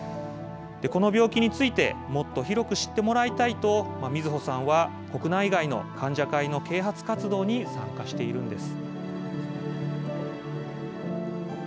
この病気について、もっと広く知ってもらいたいと、みずほさんは国内外の患者会の啓発活動に参加しているんです。